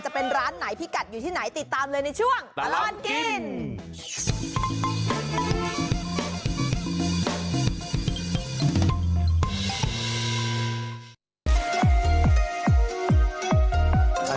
จะเป็นร้านไหนพี่กัดอยู่ที่ไหนติดตามเลยในช่วงตลอดกิน